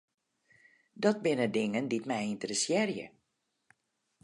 Dat binne dingen dy't my ynteressearje.